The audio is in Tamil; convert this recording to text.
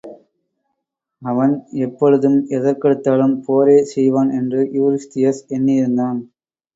அவன் எப்பொழுதும், எதற்கெடுத்தாலும் போரே செய்வான் என்று யூரிஸ்தியஸ் எண்ணியிருந்தான்.